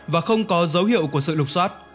và không có dấu hiệu của sự lục xoát